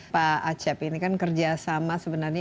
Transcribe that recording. pak acep ini kan kerjasama sebenarnya indonesia selain negara negara